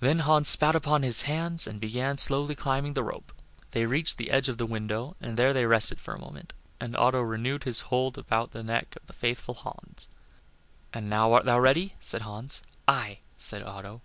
Then Hans spat upon his hands, and began slowly climbing the rope. They reached the edge of the window and there they rested for a moment, and Otto renewed his hold around the neck of the faithful Hans. "And now art thou ready?" said Hans "Aye," said Otto.